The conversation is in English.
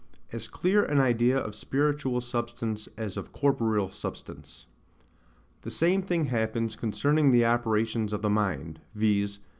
As clear an Idea of spiritual substance as of corporeal substance. The same happens concerning the operations of the mind, viz.